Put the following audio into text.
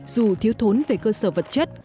dù thiếu thốn về cơ sở vật chất